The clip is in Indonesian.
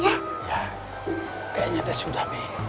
ya kayaknya udah sudah pih